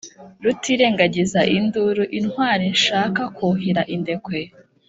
Rutirengagiza induru, intwali nshaka kwuhira indekwe.